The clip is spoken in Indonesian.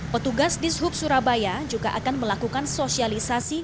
petugas di sub surabaya juga akan melakukan sosialisasi